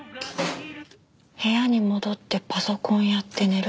部屋に戻ってパソコンやって寝る。